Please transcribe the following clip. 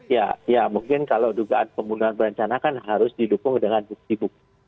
ya ya mungkin kalau dugaan pembunuhan berencana kan harus didukung dengan bukti bukti